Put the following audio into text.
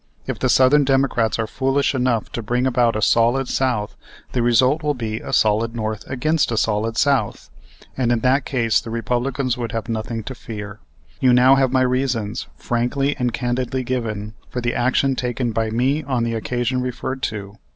If the Southern Democrats are foolish enough to bring about a Solid South the result will be a Solid North against a Solid South; and in that case the Republicans would have nothing to fear. You now have my reasons, frankly and candidly given, for the action taken by me on the occasion referred to.